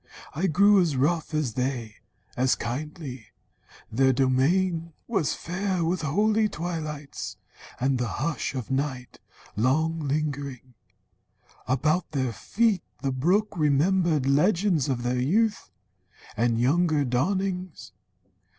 I grew As rough as they, as kindly. Their domain 35 THE FOREST MOTHER Was fair with holy twilights and the hush Of night long lingering. About their feet The brook remembered legends of their youth, And younger dawnings.